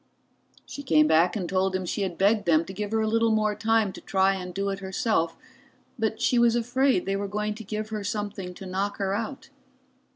She came back and told him she had begged them to give her a little more time to try and do it herself, but she was afraid they were going to give her something to knock her out.